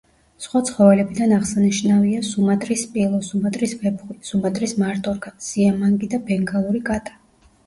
სხვა ცხოველებიდან აღსანიშნავია: სუმატრის სპილო, სუმატრის ვეფხვი, სუმატრის მარტორქა, სიამანგი და ბენგალური კატა.